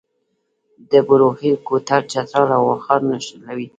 د بروغیل کوتل چترال او واخان نښلوي